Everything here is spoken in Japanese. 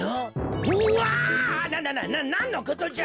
うわななななんのことじゃ！？